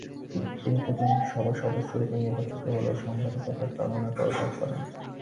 তিনি প্রতিনিধি সভার সদস্যরূপে নির্বাচিত হলেও সাংবাদিকতার তাড়নায় পদত্যাগ করেন।